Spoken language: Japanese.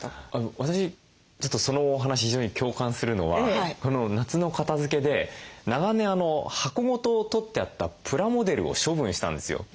私ちょっとそのお話非常に共感するのはこの夏の片づけで長年箱ごととってあったプラモデルを処分したんですよ。